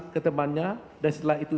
ke temannya dan setelah itu